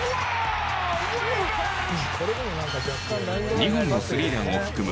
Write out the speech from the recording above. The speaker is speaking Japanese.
２本のスリーランを含む